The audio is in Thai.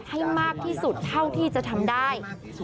ให้มากที่สุดเท่าที่จะทำได้